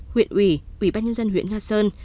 huyện ủy ubnd huyện nga sơn